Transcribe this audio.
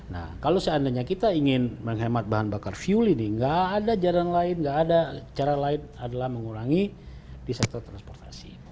nah kalau seandainya kita ingin menghemat bahan bakar fuel ini nggak ada jalan lain nggak ada cara lain adalah mengurangi di sektor transportasi